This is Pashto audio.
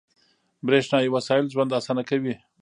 • برېښنايي وسایل ژوند اسانه کوي.